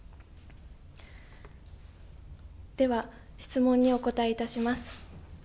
では質問にお答えいたします。